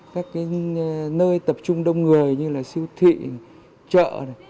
các cái nơi tập trung đông người như là siêu thị chợ